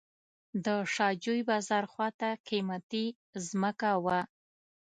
د شاه جوی بازار خواته قیمتي ځمکه وه.